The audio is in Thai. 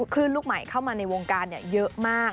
คลื่นลูกใหม่เข้ามาในวงการเยอะมาก